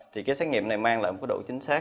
thì cái xét nghiệm này mang lại một cái độ chính xác